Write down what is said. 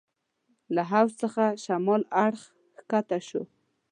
له حوض څخه شمال اړخ کښته شوو.